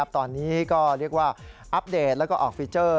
ตอนนี้ก็เรียกว่าอัปเดตแล้วก็ออกฟีเจอร์